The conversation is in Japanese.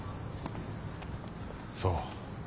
そう。